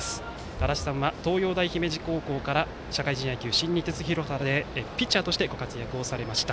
足達さんは、東洋大姫路高校から社会人野球の新日鉄広畑でピッチャーとしてご活躍されました。